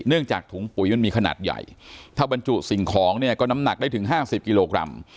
จากถุงปุ๋ยมันมีขนาดใหญ่ถ้าบรรจุสิ่งของเนี่ยก็น้ำหนักได้ถึง๕๐กิโลกรัม